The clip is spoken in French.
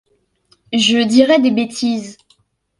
Je dirai des bêtises.